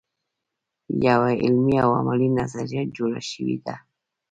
یوه علمي او عملي نظریه جوړه شوې ده.